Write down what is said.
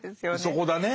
そこだね。